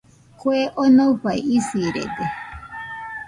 Kue onofai isirede